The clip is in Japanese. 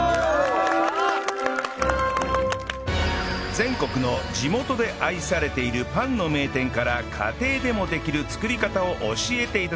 全国の地元で愛されているパンの名店から家庭でもできる作り方を教えて頂き